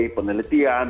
dan juga penelitian